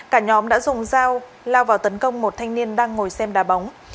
cả nhóm đã dùng dao lao vào tấn công một thanh niên đang ngồi xem đà bóng